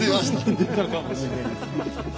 出たかもしれないです。